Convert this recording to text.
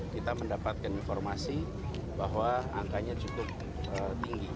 kita mendapatkan informasi bahwa angkanya cukup tinggi